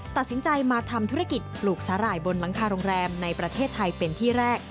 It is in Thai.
ตัดสินใจมาทำธุรกิจปลูกสาหร่ายบนหลังคาโรงแรมในประเทศไทยเป็นที่แรก